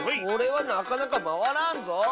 これはなかなかまわらんぞ。